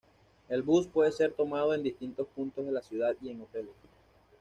El bus puede ser tomado en distintos puntos de la ciudad y en hoteles.